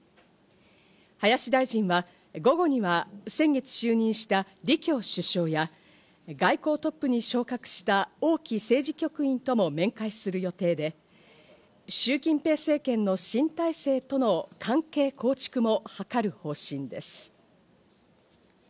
林大臣は午後には先月就任したリ・キョウ首相や外交トップに昇格したオウ・キ政治局員とも面会する予定で、シュウ・キンペイ政権への新体制との関係構築も図る方針です。